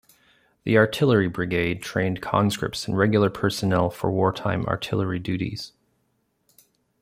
The Artillery Brigade trained conscripts and regular personnel for wartime artillery duties.